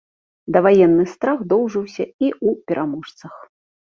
Даваенны страх доўжыўся і ў пераможцах.